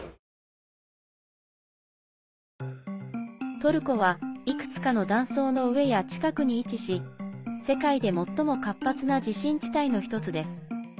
トルコは、いくつかの断層の上や近くに位置し世界で最も活発な地震地帯の１つです。